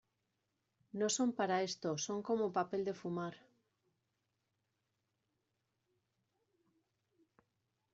no son para esto, son como papel de fumar.